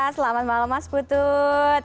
selamat malam mas putut